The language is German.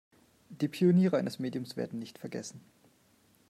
Die Pioniere eines Mediums werden nicht vergessen.